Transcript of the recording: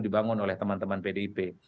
dibangun oleh teman teman pdip